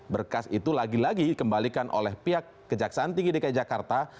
berkas itu lagi lagi dikembalikan oleh pihak kejaksaan tinggi dki jakarta